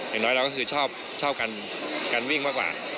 อย่างน้อยเราก็คือชอบการวิ่งมากกว่า